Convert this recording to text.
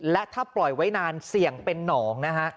และถ้าปล่อยไว้นานเสี่ยงเป็นหนองนะฮะ